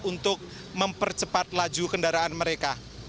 untuk mempercepat laju kendaraan mereka